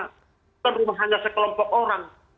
bukan rumah hanya sekelompok orang